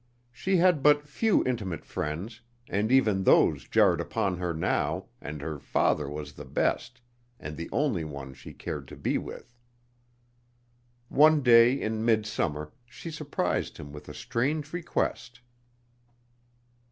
She had but few intimate friends, and even those jarred upon her now, and her father was the best, and the only one she cared to be with. One day in mid summer, she surprised him with a strange request.